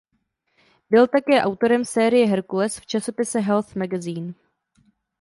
Byl také autorem série "Hercules" v časopise "Health Magazine".